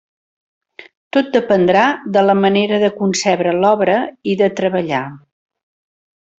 Tot dependrà de la manera de concebre l’obra i de treballar.